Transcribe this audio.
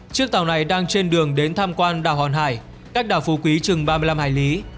chiếc tàu này đang trên đường đến tham quan đảo hòn hải cách đảo phú quý chừng ba mươi năm hải lý